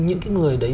những cái người đấy